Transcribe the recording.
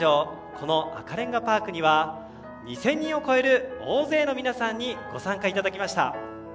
この赤レンガパークには２０００人を超える大勢の皆さんにご参加いただきました。